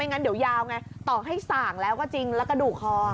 งั้นเดี๋ยวยาวไงต่อให้ส่างแล้วก็จริงแล้วกระดูกคอ